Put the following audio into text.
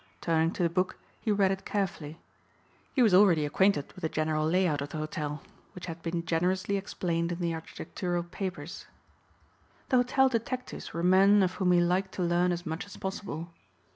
Turning to the book he read it carefully. He was already acquainted with the general lay out of the hotel which had been generously explained in the architectural papers. The hotel detectives were men of whom he liked to learn as much as possible.